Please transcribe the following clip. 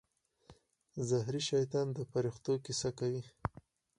زهري شیطان د فرښتو کیسه کوي.